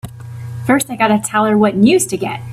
First I gotta tell her what news to get!